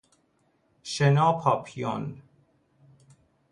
شنا پاپیون